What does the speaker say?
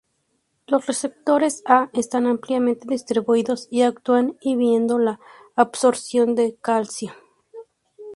Los receptores A están ampliamente distribuidos y actúan inhibiendo la absorción de calcio.